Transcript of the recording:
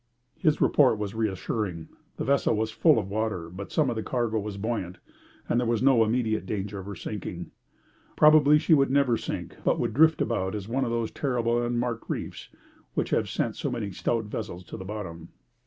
His report was reassuring. The vessel was full of water, but some of the cargo was buoyant, and there was no immediate danger of her sinking. Probably she would never sink, but would drift about as one of those terrible unmarked reefs which have sent so many stout vessels to the bottom.